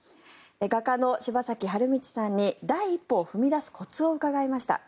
画家の柴崎春通さんに第一歩を踏み出すコツを伺いました。